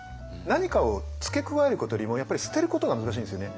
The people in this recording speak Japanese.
何かを付け加えることよりもやっぱり捨てることが難しいんですよね。